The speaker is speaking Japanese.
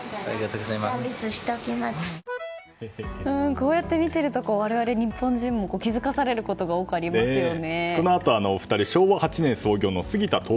こうやって見ていると我々、日本人も気づかされることが多くありますよね。